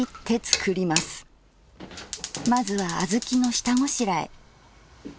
まずは小豆の下ごしらえ。